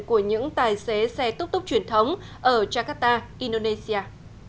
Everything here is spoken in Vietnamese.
của những tài xế xe túc túc truyền thống ở jakarta indonesia